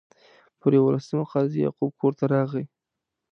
پر یوولسمه قاضي یعقوب کور ته راغی.